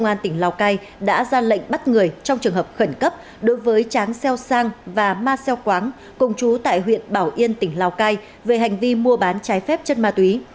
công an tỉnh lào cai đã ra lệnh bắt người trong trường hợp khẩn cấp đối với tráng xeo sang và ma xeo quáng cùng chú tại huyện bảo yên tỉnh lào cai về hành vi mua bán trái phép chất ma túy